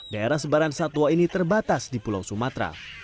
daerah sebaran satwa ini terbatas di pulau sumatera